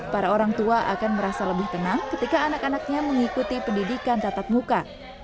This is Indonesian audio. para orang tua akan merasa lebih tenang ketika anak anaknya mengikuti pendidikan tatap muka